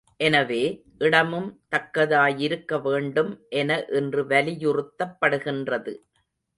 எனவே, இடமும் தக்கதாயிருக்க வேண்டும் என இன்று வலியுறுத்தப் படுகின்றது.